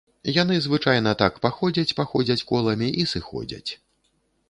Яны звычайна так паходзяць-паходзяць коламі і сыходзяць.